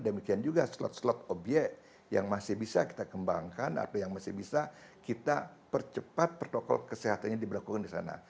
demikian juga slot slot obyek yang masih bisa kita kembangkan atau yang masih bisa kita percepat protokol kesehatannya diberlakukan di sana